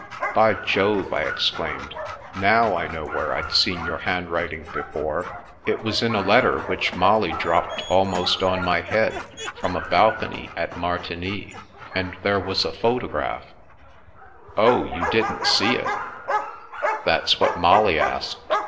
" By Jove! " I exclaimed. " Now I know where I'd seen your handwriting before. It was in a letter which Molly dropped almost on my head, from a balcony at Martigny, and there was a photo graph ^" "Oh, you didn't see it?" " That's what Molly asked.